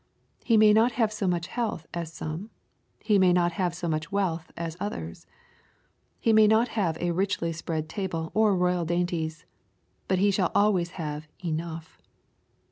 He may not have so much health as some. He may not have so much wealth as others. He may not have a richly spread table, or royal dainties. But he shall always have enough.